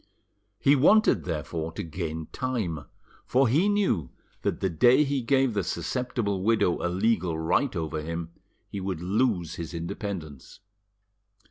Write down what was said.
He wanted, therefore, to gain time, for he knew that the day he gave the susceptible widow a legal right over him he would lose his independence.